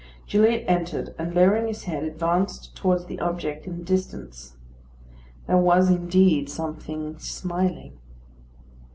Gilliatt entered, and lowering his head, advanced towards the object in the distance. There was indeed something smiling.